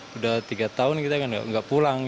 sudah tiga tahun kita kan nggak pulang